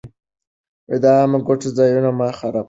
د عامه ګټو ځایونه مه خرابوئ.